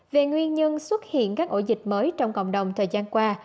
về nguyên nhân xuất hiện các ổ dịch mới trong cộng đồng thời gian qua